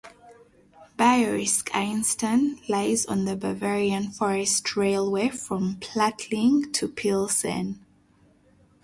Bayerisch Eisenstein lies on the Bavarian Forest railway from Plattling to Pilsen.